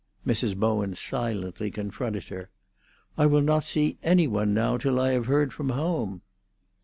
Mrs. Bowen silently confronted her. "I will not see any one now till I have heard from home."